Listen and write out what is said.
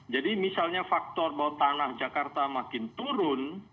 jadi misalnya faktor bahwa tanah jakarta makin turun